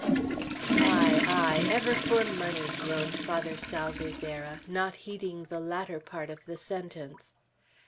"Ay, ay! Ever for money!" groaned Father Salvierderra, not heeding the latter part of the sentence.